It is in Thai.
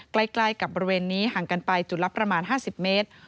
ใกล้กับบริเวณนี้ห่างกันไปจุดละประมาณ๕๐เมตร